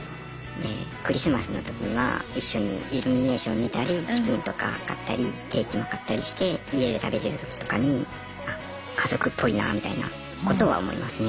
でクリスマスのときには一緒にイルミネーション見たりチキンとか買ったりケーキも買ったりして家で食べてるときとかにあっ家族っぽいなみたいなことは思いますね。